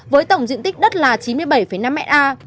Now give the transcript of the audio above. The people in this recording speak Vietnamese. với tổng diện tích đất là chín mươi bảy năm hectare